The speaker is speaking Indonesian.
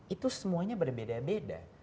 itu semuanya berbeda beda